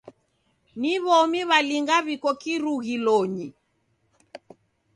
Ni w'omi w'alinga w'iko kirughilonyi?